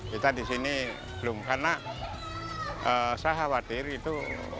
kita di sini belum karena sahawadir itu